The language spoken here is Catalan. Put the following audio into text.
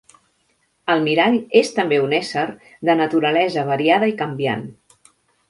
El mirall és també un ésser de naturalesa variada i canviant.